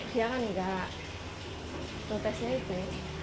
dia kan nggak protesnya itu